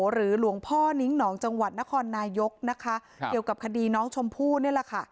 หรือหลวงพ่อนิ้งหนองจังหวัดนครนายกนะคะเกี่ยวกับคดีน้องชมพู่นี่แหละค่ะ